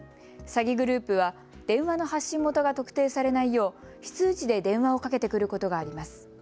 詐欺グループは電話の発信元が特定されないよう非通知で電話をかけてくることがあります。